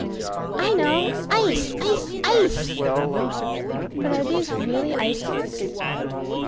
I know. Ice! ice! ice! But are these really ice marks?